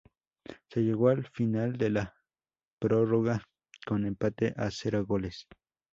Se llegó al final de la prórroga con empate a cero goles.